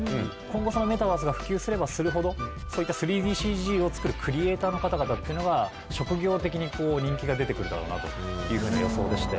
今後メタバースが普及すればするほどそうった３ＤＣＧを作るクリエーターの方々というのが職業的に人気が出て来るだろうなというふうな予想でして。